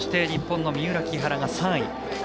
日本の三浦、木原が３位。